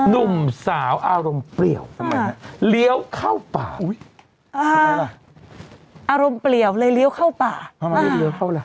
นุ่มสาวอารมณ์เปรี้ยวเรียวเข้าป่าอารมณ์เปรี้ยวเลยเรียวเข้าป่า